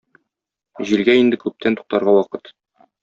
Җилгә инде күптән туктарга вакыт.